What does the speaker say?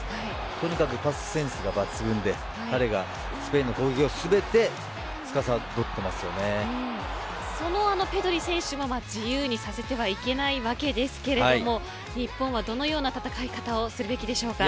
とにかくパスセンスが抜群で彼がスペインの攻撃を全てそのペドリ選手が自由にさせてはいけないわけですけれども日本は、どのような戦い方をするべきでしょうか。